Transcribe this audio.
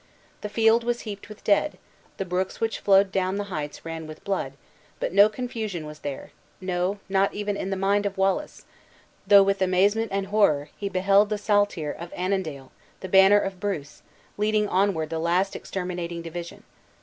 The field was heaped with dead; the brooks which flowed down the heights ran with blood; but no confusion was there no, not even in the mind of Wallace; though, with amazement and horror, he beheld the saltire of Annandale, the banner of Bruce, leading onward the last exterminating division!